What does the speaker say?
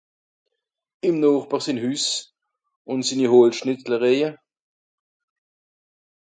La maison de voisin et ses sculptures en bois